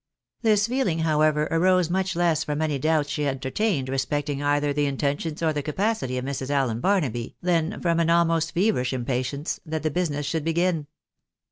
This feeling, however, arose much less from any doubts she entertained respecting either the intentions or the capacity of Mrs. Allen Barnaby, than from an almost feverish impatience that the business should begin.